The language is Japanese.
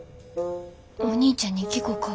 お兄ちゃんに聞こか。